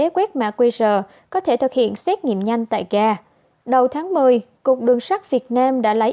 quét mã qr có thể thực hiện xét nghiệm nhanh tại ga đầu tháng một mươi cục đường sắt việt nam đã lấy